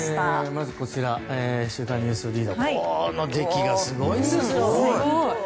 まず「週刊ニュースリーダー」ですがこの出来がすごいですよ。